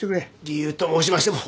理由と申しましても。